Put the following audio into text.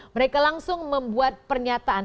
mereka langsung membuat pernyataan